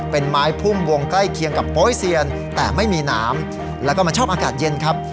เป็นไม้พุ่มวงใกล้เคียงกับโป๊ยเซียนแต่ไม่มีน้ำแล้วก็มันชอบอากาศเย็นครับ